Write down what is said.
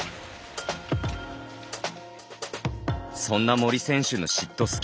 そんな森選手のシット